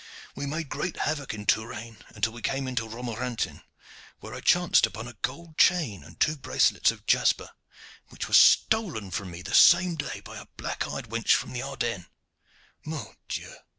We made great havoc in Touraine, until we came into Romorantin, where I chanced upon a gold chain and two bracelets of jasper, which were stolen from me the same day by a black eyed wench from the Ardennes. Mon Dieu!